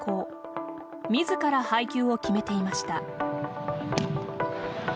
自ら配球を決めていました。